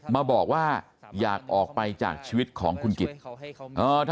มาบอกว่าอยากออกไปจากชีวิตของคุณกิจ